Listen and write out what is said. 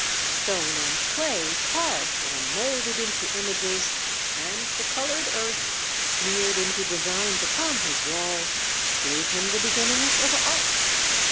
Stone and clay carved or molded into images, and the colored earth, smeared into designs upon his walls, gave him the beginnings of art.